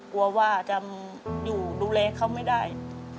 กลัวว่าจะอยู่ดูแลเขาไม่ได้